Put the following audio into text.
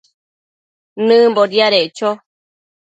nëmbo diadeccho